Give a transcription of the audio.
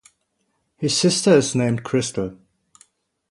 His sister is named Crystal.